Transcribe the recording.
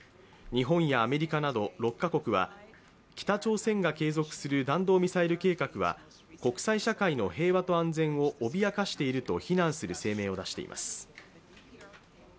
日本やアメリカなど６カ国は北朝鮮が継続する弾道ミサイル計画は国際社会の平和と安全を脅かしていると非難する声明を出しています。